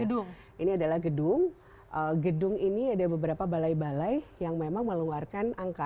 gedung ini adalah gedung gedung ini ada beberapa balai balai yang memang meluarkan angka